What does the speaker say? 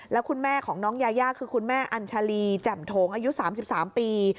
แล้วคุณแม่ของน้องยายาคือคุณแม่อัญชาลีแจ่มโถงอายุ๓๓ปี